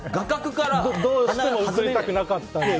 どうしても映りたくなかったので。